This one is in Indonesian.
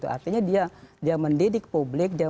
artinya dia mendidik publik